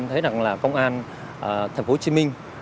thấy rằng là công an thành phố hồ chí minh